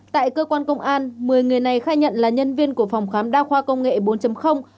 tại cơ quan công an một mươi người này khai nhận là nhân viên của phòng khám đa khoa công nghệ bốn